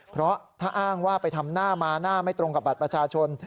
เพราะถ้าอ้างว่าไปทำหน้ามาหน้าไม่ตรงกับบัตรประชาชน